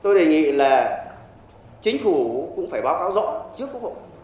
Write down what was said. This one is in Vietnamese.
tôi đề nghị là chính phủ cũng phải báo cáo rõ trước quốc hội